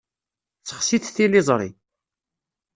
Sexsit tiliẓṛi.